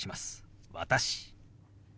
「私」。